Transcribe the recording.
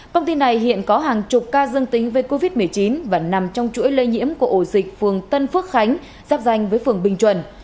công ty này hiện có hàng chục ca dương tính với covid một mươi chín và nằm trong chuỗi lây nhiễm của ổ dịch phường tân phước khánh giáp danh với phường bình chuẩn